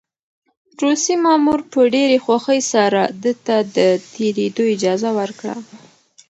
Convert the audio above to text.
روسي مامور په ډېرې خوښۍ سره ده ته د تېرېدو اجازه ورکړه.